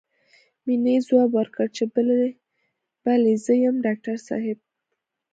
مينې ځواب ورکړ چې بلې زه يم ډاکټر صاحب.